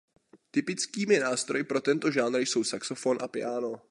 Typickými nástroji pro tento žánr jsou saxofon a piáno.